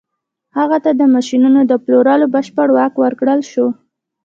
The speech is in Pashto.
هغه ته د ماشينونو د پلورلو بشپړ واک ورکړل شو.